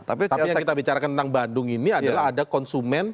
tapi yang kita bicarakan tentang bandung ini adalah ada konsumen